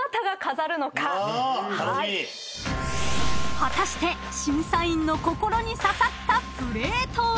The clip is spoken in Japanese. ［果たして審査員の心に刺さったプレーとは？］